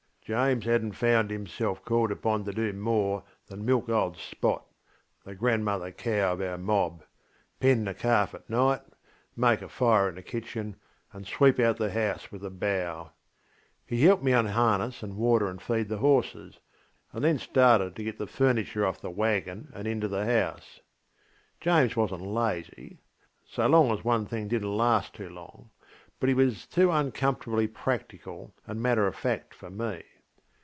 James hadnŌĆÖt found himself called upon to do more than milk old ŌĆśSpotŌĆÖ (the grandmother cow of our mob), pen the calf at night, make a fire in the kitchen, and sweep out the house with a bough. He helped me unharness and water and feed the horses, and then started to get the furniture off the waggon and into the house. James wasnŌĆÖt lazyŌĆöso long as one thing didnŌĆÖt last too long; but he was too uncomfortably practical and matter of fact for me.